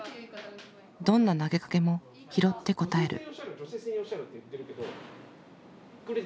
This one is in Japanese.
どんな投げかけも拾って答える。